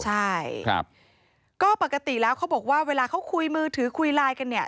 ใช่ครับก็ปกติแล้วเขาบอกว่าเวลาเขาคุยมือถือคุยไลน์กันเนี่ย